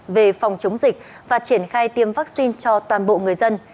về phòng chống dịch và triển khai tiêm vaccine cho toàn bộ người dân